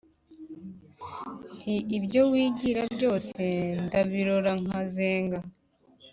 Nti “Ibyo wigira byoseNdabirora nkazenga